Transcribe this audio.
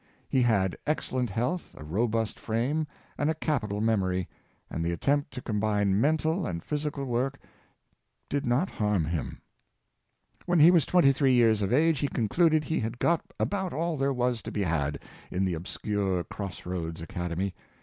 He had excellent health, a robust frame and a capital memory, and the attempt to combine mental and physical work did not hurt him. When he was 23 years of age he concluded he had got about all there was to be had in the obscure cross roads academy.